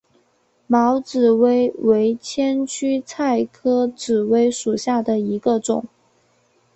毛紫薇为千屈菜科紫薇属下的一个种。